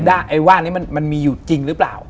ไอ้ว่านนี้มันมีอยู่จริงหรือเปล่า